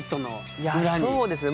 いやそうですね。